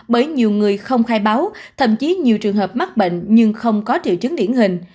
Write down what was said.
bởi nhiều người không khai báo thậm chí nhiều trường hợp mắc bệnh nhưng không có triệu chứng điển hình